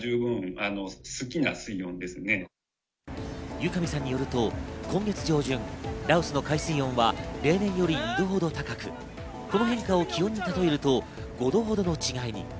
由上さんによると、今月上旬、羅臼の海水温は例年より２度ほど高く、この変化を気温に例えると５度ほどの違いに。